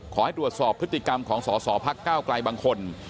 ขอให้ตรวจสอบพฤติกรรมของสอสอพักก้าวไกลบางคน